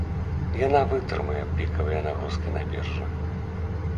Яна вытрымае пікавыя нагрузкі на біржы.